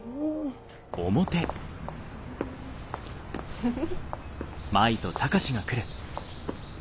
フフフ。